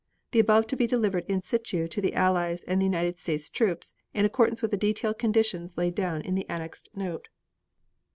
The above to be delivered in situ to the Allies and the United States troops in accordance with the detailed conditions laid down in the annexed note.